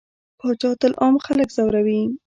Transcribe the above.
پاچا تل عام خلک ځوروي.